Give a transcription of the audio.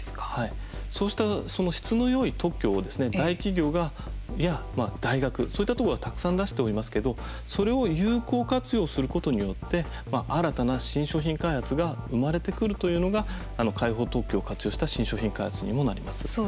そうした質のよい特許を大企業や大学そういったところがたくさん出しておりますけどそれを有効活用することによって新たな新商品開発が生まれてくるというのが開放特許を活用した新商品開発にもなります。